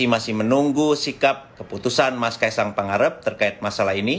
masih menunggu sikap keputusan mas kaisang pangarep terkait masalah ini